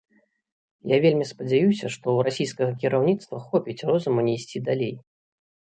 Я вельмі спадзяюся, што ў расійскага кіраўніцтва хопіць розуму не ісці далей.